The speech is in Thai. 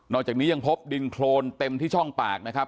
จากนี้ยังพบดินโครนเต็มที่ช่องปากนะครับ